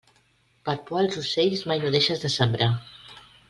Per por als ocells, mai no deixes de sembrar.